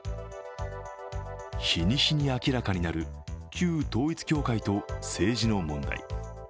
日に日に明らかになる旧統一教会と政治の問題。